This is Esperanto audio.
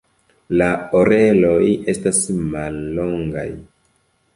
La oreloj estas mallongaj.